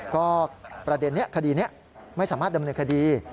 ก็ประเด็นนี้คดีนี้ไม่สามารถดำเนินคดี